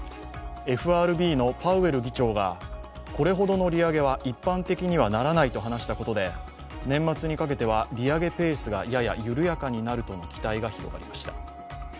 ＦＲＢのパウエル議長がこれほどの利上げは一般的にはならないと話したことで年末にかけては、利上げペースがやや緩やかになるとの期待が広がりました。